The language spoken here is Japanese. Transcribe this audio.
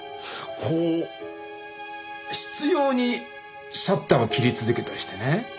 こう執拗にシャッターを切り続けたりしてね。